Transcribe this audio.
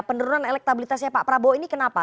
penurunan elektabilitasnya pak prabowo ini kenapa